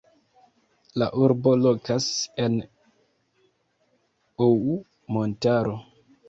La urbo lokas en Ou montaro.